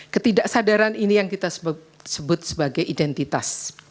ketidaksadaran ini yang kita sebut sebagai identitas